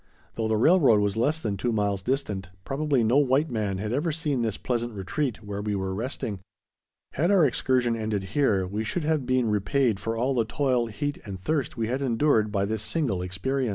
Though the railroad was less than two miles distant, probably no white man had ever seen this pleasant retreat where we were resting. Had our excursion ended here, we should have been repaid for all the toil, heat, and thirst we had endured, by this single experience.